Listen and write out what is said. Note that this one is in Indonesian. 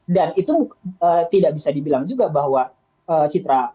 dan itu tidak bisa dibilang juga bahwa citra